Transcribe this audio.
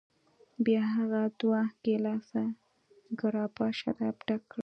بیا هغه دوه ګیلاسه ګراپا شراب ډک کړل.